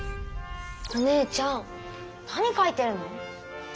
お姉ちゃん何かいてるの？